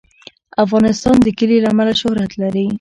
افغانستان د کلي له امله شهرت لري.